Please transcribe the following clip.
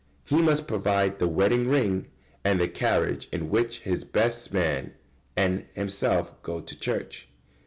] He must provide the wedding ring and the carriage in which his best man and himself go to church.